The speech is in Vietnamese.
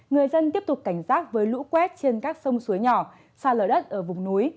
người dân tiếp tục cảnh giác với lũ quét trên các sông suối nhỏ xa lở đất ở vùng núi